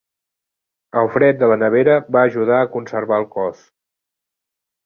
El fred de la nevera va ajudar a conservar el cos.